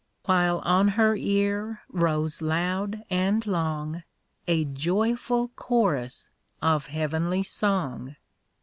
While on her car rose loud and long A joyful chorus of heavenly song.